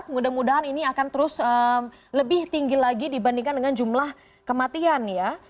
mudah mudahan ini akan terus lebih tinggi lagi dibandingkan dengan jumlah kematian ya